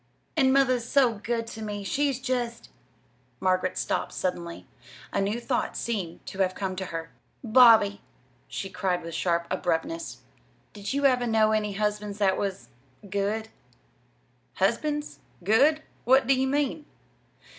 "And mother's so good to me! She's just " Margaret stopped suddenly. A new thought seemed to have come to her. "Bobby," she cried with sharp abruptness, "did you ever know any husbands that was good?" "'Husbands'? 'Good'? What do ye mean?"